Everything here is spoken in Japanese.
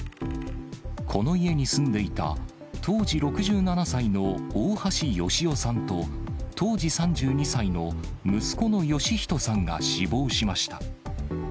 この家に住んでいた当時６７歳の大橋芳男さんと、当時３２歳の息子の芳人さんが死亡しました。